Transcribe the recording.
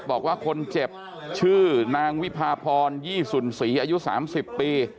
บอกว่าคนเจ็บชื่อนางวิพาพรยี่สุนศรีอายุ๓๐ปี